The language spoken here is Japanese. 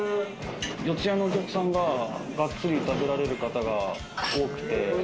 四ッ谷のお客さんががっつり食べられる方が多くて。